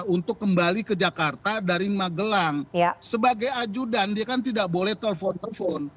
untuk kembali ke jakarta dari magelang sebagai ajudan dia kan tidak boleh telepon telepon